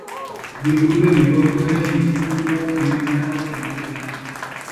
দুই গ্রুপে বিভক্ত হয়ে শীর্ষ দুই দল সেমি-ফাইনাল ও ফাইনাল খেলে।